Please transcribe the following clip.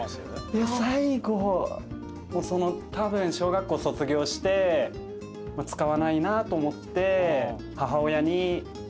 いや最後たぶん小学校卒業して使わないなあと思って。